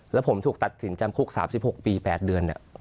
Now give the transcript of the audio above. แล้วผมถูกตัดสินจำคุก๓๖ปี๘เดือน